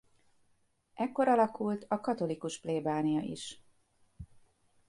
Ekkor alakult a katolikus plébánia is.